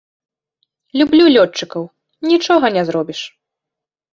Люблю лётчыкаў, нічога не зробіш.